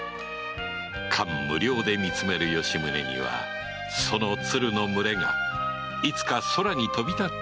感無量で見つめる吉宗にはその鶴の群れがいつか空に飛び立っていくように思えた